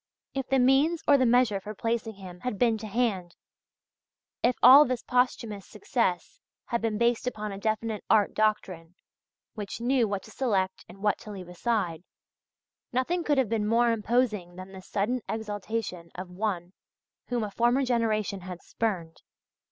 If the means or the measure for placing him had been to hand, if all this posthumous success had been based upon a definite art doctrine which knew what to select and what to leave aside, nothing could have been more imposing than this sudden exaltation of one whom a former generation had spurned.